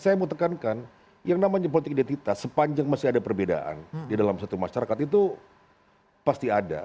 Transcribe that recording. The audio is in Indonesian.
saya mau tekankan yang namanya politik identitas sepanjang masih ada perbedaan di dalam satu masyarakat itu pasti ada